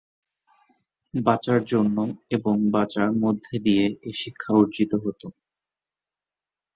বাঁচার জন্য এবং বাঁচার মধ্যে দিয়ে এ শিক্ষা অর্জিত হতো।